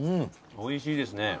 おいしいですね。